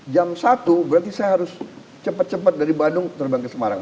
jam satu berarti saya harus cepat cepat dari bandung terbang ke semarang